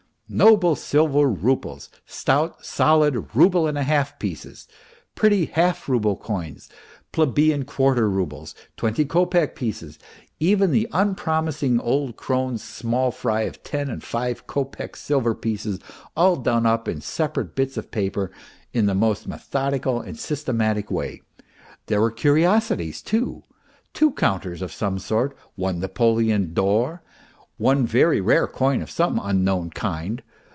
. Noble silver roubles, stout solid rouble and a half pieces, pretty half rouble coins, plebeian quarter roubles, twenty kopeck pieces, even the unpromising old crone's small 286 MR. PROHARTCHIN fry of ten and five kopeck silver pieces all done up in separate bits of paper in the most methodical and systematic way ; there were curiosities also, two counters of some sort, one napoleon d'or, one very rare coin of some unknown kind